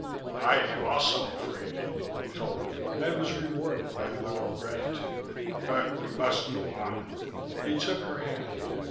"I am also afraid," he told her, and was rewarded by a look of gratitude. "But we must go on." He took her hand.